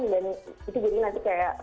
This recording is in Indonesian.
dan itu jadi nanti kayak